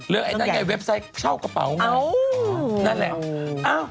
ไอ้นั่นไงเว็บไซต์เช่ากระเป๋าไงนั่นแหละ